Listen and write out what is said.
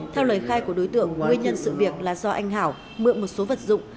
theo lời khai của đối tượng nguyên nhân sự việc là do anh hảo mượn một số vật dụng